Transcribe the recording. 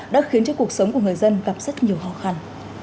đã khiến cho cuộc sống của người dân gặp rất nhiều khó khăn